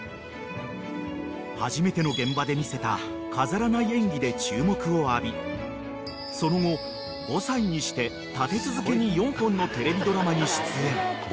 ［初めての現場で見せた飾らない演技で注目を浴びその後５歳にして立て続けに４本のテレビドラマに出演］